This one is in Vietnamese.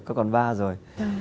có còn va rồi